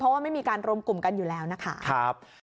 เพราะว่าไม่มีการรวมกลุ่มกันอยู่แล้วนะคะ